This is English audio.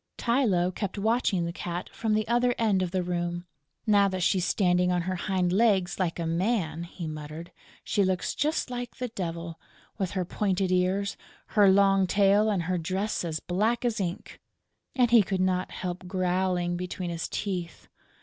Tylô kept watching the Cat from the other end of the room: "Now that she's standing on her hind legs like a man," he muttered, "she looks just like the Devil, with her pointed ears, her long tail and her dress as black as ink!" And he could not help growling between his teeth.